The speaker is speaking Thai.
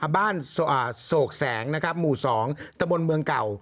โศกแสงหมู่๒ตะบนเมืองเก่า